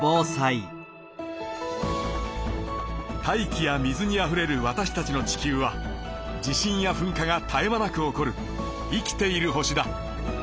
大気や水にあふれるわたしたちの地球は地震やふん火がたえ間なく起こる生きている星だ。